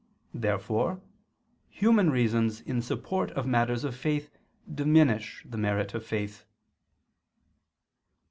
Therefore human reasons in support of matters of faith diminish the merit of faith.